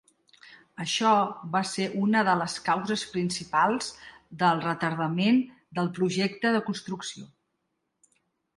Això va ser una de les causes principals del retardament del projecte de construcció.